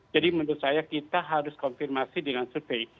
jadi menurut saya kita harus konfirmasi dengan survei